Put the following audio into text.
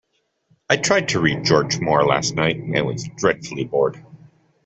I tried to read George Moore last night, and was dreadfully bored.